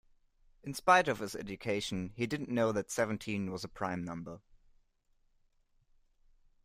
In spite of his education, he didn't know that seventeen was a prime number